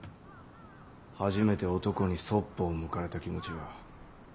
初めて男にそっぽを向かれた気持ちは。